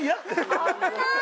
危ない！